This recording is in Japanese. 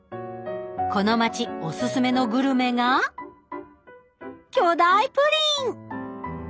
この街オススメのグルメが⁉巨大プリン